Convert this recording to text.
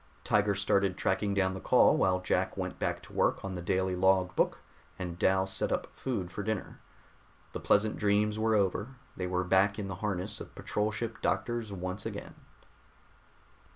Tiger started tracking down the call while Jack went back to work on the daily log book and Dal set up food for dinner. The pleasant dreams were over; they were back in the harness of patrol ship doctors once again.